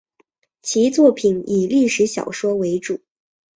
其作品以历史小说为主。